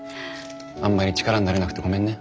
あんまり力になれなくてごめんね。